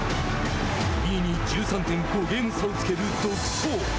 ２位に１３．５ゲーム差をつける独走。